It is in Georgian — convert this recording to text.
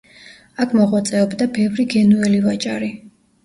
აქ მოღვაწეობდა ბევრი გენუელი ვაჭარი.